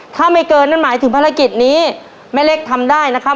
ถ้าไม่เกินนั่นหมายถึงภารกิจนี้แม่เล็กทำได้นะครับ